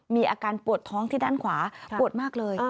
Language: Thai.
มีอาการปวดท้องที่ด้านขวาปวดมากเลย